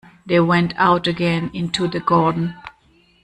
They went out again into the garden.